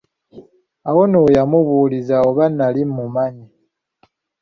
Awo nno we yamubuuliza oba nali mumanyi.